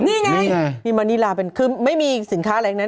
นี่ไงนี่มานิลาเป็นคือไม่มีสินค้าอะไรทั้งนั้น